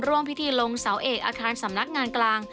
ร่วมพิธีลงเสาเอกอาคารสำนักงานกลาง